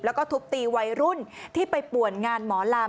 แล้วก็ทุบตีวัยรุ่นที่ไปป่วนงานหมอลำ